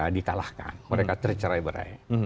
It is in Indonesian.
di kalahkan mereka tercerai berai